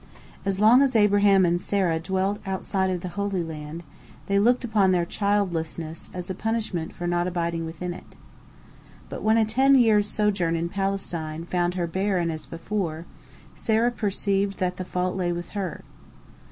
As long as Abraham and Sarah dwelt outside of the Holy Land, they looked upon their childlessness as a punishment for not abiding within it. But when a ten years' sojourn in Palestine found her barren as before, Sarah perceived that the fault lay with her.